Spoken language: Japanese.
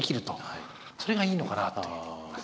それがいいのかなというような。